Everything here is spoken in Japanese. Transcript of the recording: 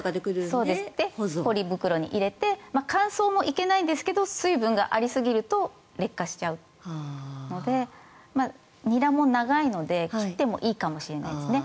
それでポリ袋に入れて乾燥もいけないんですけど水分がありすぎると劣化しちゃうのでニラも長いので切ってもいいかもしれないですね。